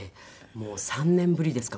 もう３年ぶりですか。